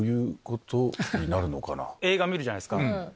映画見るじゃないですか。